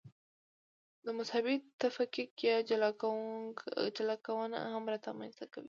مذهبي تفکیک یا جلاکونه هم رامنځته کوي.